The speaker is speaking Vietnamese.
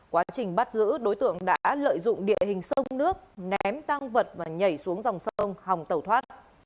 quá trình bắt giữ đối tượng đã lợi dụng địa hình sông nước ném tăng vật và nhảy xuống dòng sông hòng tẩu thoát